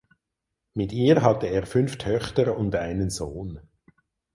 Mit ihr hatte er fünf Töchter und einen Sohn.